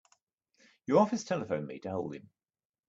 Your office telephoned me to hold him.